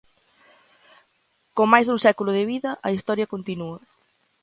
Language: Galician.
Con máis dun século de vida, a historia continúa.